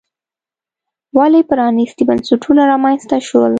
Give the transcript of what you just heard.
ولې پرانیستي بنسټونه رامنځته شول.